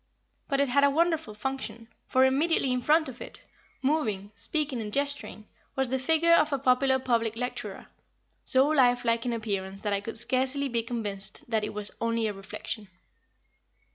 But it had a wonderful function, for immediately in front of it, moving, speaking and gesturing, was the figure of a popular public lecturer, so life like in appearance that I could scarcely be convinced that it was only a reflection.